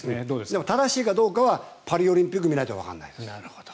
でも正しいかどうかはパリオリンピックを見ないとわからないです。